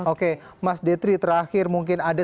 oke mas detri terakhir mungkin ada